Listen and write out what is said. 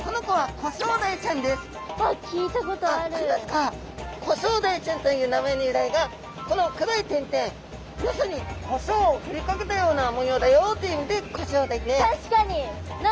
コショウダイちゃんという名前の由来がこの黒い点々まさにコショウをふりかけたような模様だよという意味でコショウダイで。